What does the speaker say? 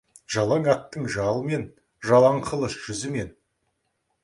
Жалаң аттың жалымен, жалаң қылыш жүзімен.